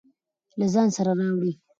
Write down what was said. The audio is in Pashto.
له ځان سره راوړئ.